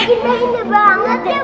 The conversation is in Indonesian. indah indah banget ya